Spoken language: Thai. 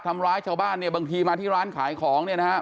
ทำร้ายชาวบ้านเนี่ยบางทีมาที่ร้านขายของเนี่ยนะฮะ